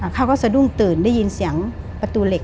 เขาก็สะดุ้งตื่นได้ยินเสียงประตูเหล็ก